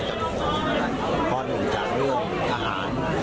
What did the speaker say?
ข้อหนึ่งจากเรื่องอาหาร